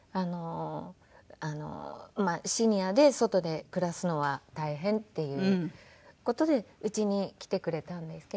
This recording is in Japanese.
まあシニアで外で暮らすのは大変っていう事でうちに来てくれたんですけど。